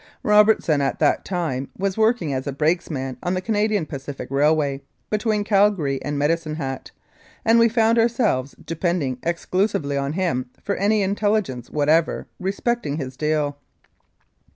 Robert son at that time was working as a brakesman on the Canadian Pacific Railway, between Calgary and Medicine Hat, and we found ourselves depending ex clusively on him for any intelligence whatever respecting his deal.